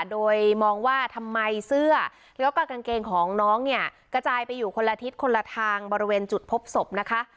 โดยมองว่าทำไมเสื้อแล้วก็กางเกงของน้องเนี่ยกระจายไปอยู่คนละทิศคนละทางบริเวณจุดพบศพนะคะ